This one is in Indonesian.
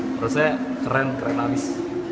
menurut saya keren keren abis